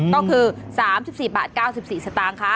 ก็คือ๓๔บาท๙๔สตางค์คะ